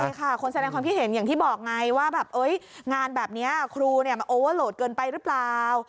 ใช่ค่ะคนแสดงความคิดเห็นอย่างที่บอกไงว่าแบบงานแบบนี้ครูเนี่ยมันโอเวอร์โหลดเกินไปหรือเปล่า